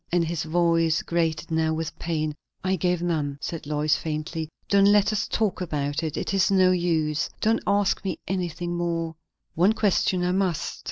and his voice grated now with pain. "I gave none," said Lois faintly. "Don't let us talk about it! It is no use. Don't ask me anything more!" "One question I must.